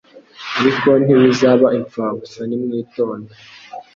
ariko ntibizaba imfabusa nimwitonda